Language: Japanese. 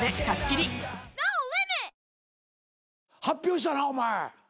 発表したなお前。